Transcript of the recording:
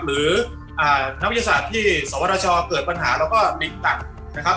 หรือนักวิทยาศาสตร์ที่สวทชเกิดปัญหาแล้วก็เด็กต่างนะครับ